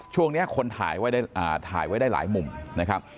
ช่วงนี้คนถ่ายไว้ได้หลายมุมนะครับ